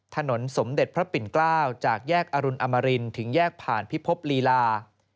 ถนนสมเด็จพระปิ่นเกล้าจากแยกอรุณอมรินถึงแยกผ่านพิภพลีลา